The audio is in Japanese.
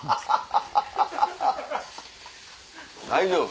大丈夫？